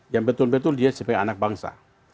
yang betul betul dia sebagai anak bangsa